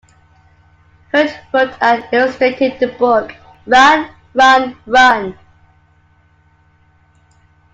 Hurd wrote and illustrated the book "Run, Run, Run".